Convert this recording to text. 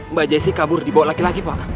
mbak jessi kabur dibawa laki laki pak